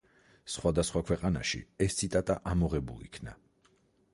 სხვადასხვა ქვეყანაში ეს ციტატა ამოღებული იქნა.